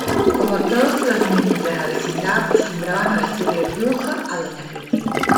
Como todos los niños de la vecindad acostumbran a decirle ""Bruja"" a Doña Clotilde.